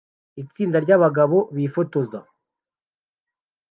Itsinda ryabagabo bifotoza